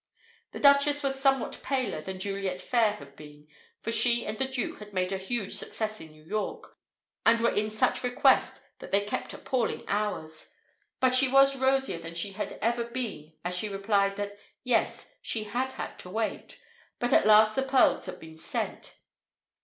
The Duchess was somewhat paler than Juliet Phayre had been, for she and the Duke had made a huge success in New York, and were in such request that they kept appalling hours. But she was rosier than she had ever been as she replied that, yes, she had had to wait. But at last the pearls had been sent.